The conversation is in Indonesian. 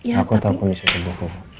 aku tau kondisi tubuh kamu